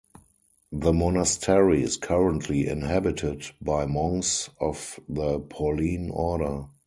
The monastery is currently inhabited by monks of the Pauline Order.